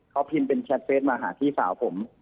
เขาพิมพ์เป็นแชทเฟสมาหาพี่สาวผม